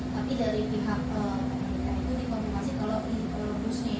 tapi dari pihak pemirsa itu dikonfirmasi kalau busnya itu tidak berizin untuk bergantian